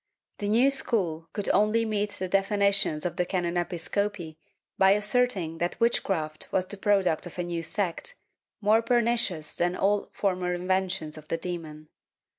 ^ The new school could only meet the defi nitions of the can. Episcopi by asserting that witchcraft was the product of a new sect, more pernicious than all former inventions of the demon.